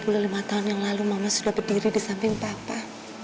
hai sejak dua puluh lima tahun yang lalu mama sudah berdiri di samping papa